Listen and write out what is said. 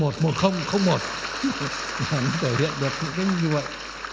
để thể hiện được những cái như vậy